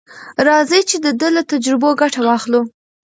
راځئ چې د ده له تجربو ګټه واخلو.